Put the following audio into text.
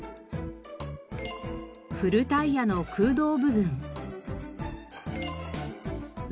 古タイヤの空洞部分。